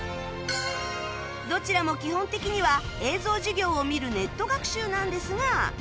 どちらも基本的には映像授業を見るネット学習なんですが